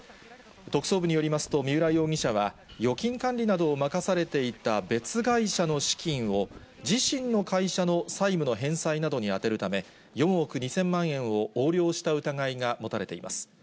特捜部によりますと、三浦容疑者は、預金管理などを任されていた別会社の資金を自身の会社の債務の返済などに充てるため、４億２０００万円を横領した疑いが持たれています。